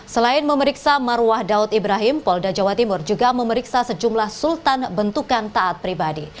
selain memeriksa marwah daud ibrahim polda jawa timur juga memeriksa sejumlah sultan bentukan taat pribadi